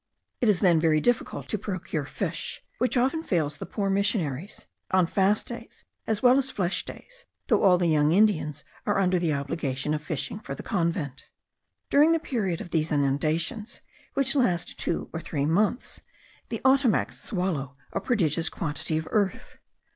It is then very difficult to procure fish, which often fails the poor missionaries, on fast days as well as flesh days, though all the young Indians are under the obligation of fishing for the convent. During the period of these inundations, which last two or three months, the Ottomacs swallow a prodigious quantity of earth.